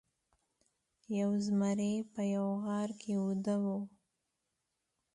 یو زمری په یوه غار کې ویده و.